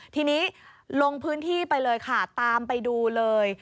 ทีนี้ลงพื้นที่ไปเลยค่ะตามไปดูเลย